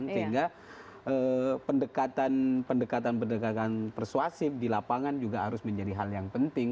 sehingga pendekatan pendekatan pendekatan persuasif di lapangan juga harus menjadi hal yang penting